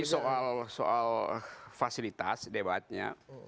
ini soal fasilitas debatnya